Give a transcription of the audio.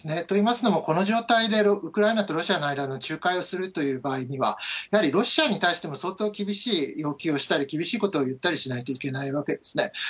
といいますのも、この状態でウクライナとロシアの間の仲介をするという場合には、やはりロシアに対しても相当厳しい要求をしたり、厳しいことを言ったりしないといけないわけですね。